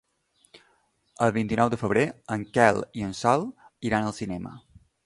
El vint-i-nou de febrer en Quel i en Sol iran al cinema.